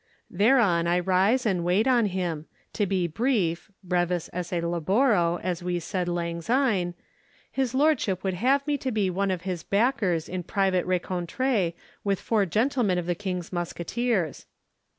Thereon I rise and wait on him; to be brief—brevis esse laboro, as we said lang syne—his lordship would have me to be of his backers in private rencontre with four gentlemen of the King's Musketeers.